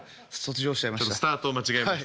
ちょっとスタートを間違えました。